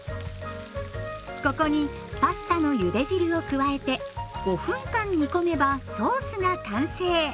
ここにパスタのゆで汁を加えて５分間煮込めばソースが完成。